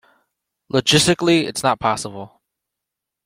Logistically it's not possible.